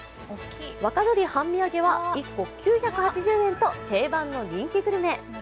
若鶏半身揚げは１個９８０円と定番の人気グルメ。